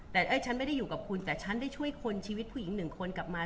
แต่ฉันไม่ได้อยู่กับคุณแต่ฉันได้ช่วยคนชีวิตผู้หญิงหนึ่งคนกลับมา